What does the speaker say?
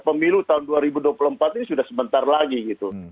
pemilu tahun dua ribu dua puluh empat ini sudah sebentar lagi gitu